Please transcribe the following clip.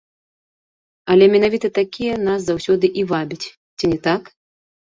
Але менавіта такія нас заўсёды і вабяць, ці не так?